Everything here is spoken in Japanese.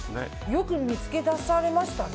よく見つけ出されましたね。